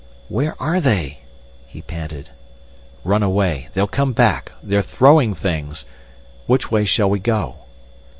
"Where are they?" he panted. "Run away. They'll come back. They're throwing things! Which way shall we go?"